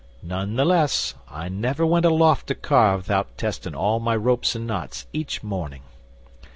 None the less, I never went aloft to carve 'thout testing all my ropes and knots each morning.